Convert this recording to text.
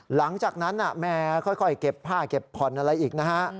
หลังจากนั้นแม่ค่อยเก็บผ้าเก็บผ่อนอะไรอีกนะฮะ